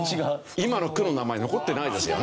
今の区の名前残ってないですよね。